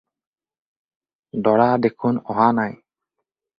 দৰা দেখোন অহা নাই?